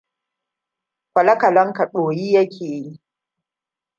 Kwale-kwalen ka ɗoyi ya ke.